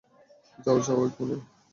যাও, যাও, ঐ কোনায়।